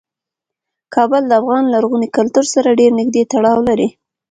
کابل د افغان لرغوني کلتور سره ډیر نږدې تړاو لري.